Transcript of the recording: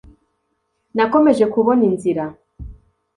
nakomeje kubona inzira